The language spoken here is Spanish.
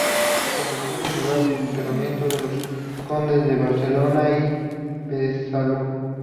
Se convirtió en lugar de enterramiento de los condes de Barcelona y de Besalú.